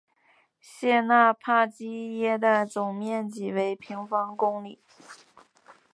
谢讷帕基耶的总面积为平方公里。